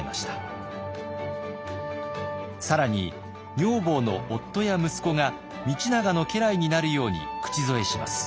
更に女房の夫や息子が道長の家来になるように口添えします。